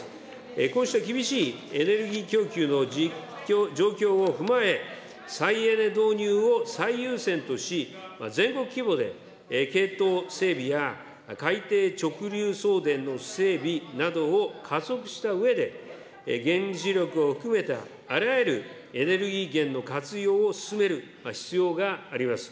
こうした厳しいエネルギー供給の状況を踏まえ、再エネ導入を最優先とし、全国規模でけいとう整備や、海底直流送電の整備などを加速したうえで、原子力を含めたあらゆるエネルギー源の活用を進める必要があります。